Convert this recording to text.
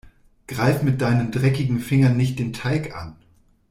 Greif mit deinen dreckigen Fingern nicht den Teig an.